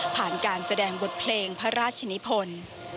การแสดงบทเพลงพระราชนิพล